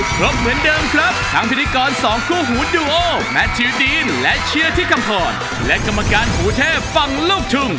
กาดำผู้หายมันบ่สมมงค์